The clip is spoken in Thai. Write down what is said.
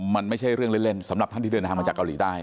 มันไม่ใช่เรื่องเล่นสำหรับท่านที่เดินทางมาจากเกาหลีใต้